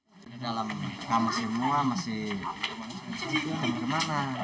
dalam kamar semua masih kemana